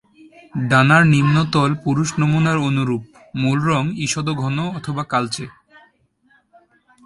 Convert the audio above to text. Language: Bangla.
ডানার নিম্নতল পুরুষ নমুনার অনুরূপ, মূল রঙ ইষদ ঘন অথবা কালচে।